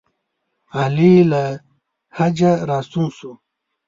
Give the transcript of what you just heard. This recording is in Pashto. علي له حجه راستون شو.